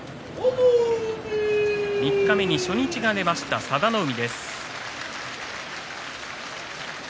三日目に初日が出ました佐田の海です。